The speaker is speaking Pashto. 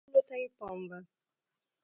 ټولو ته یې پام و